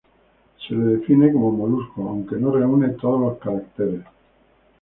Se le define como molusco, aunque no reúne todos los caracteres.